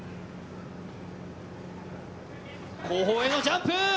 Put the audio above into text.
後方へのジャンプ。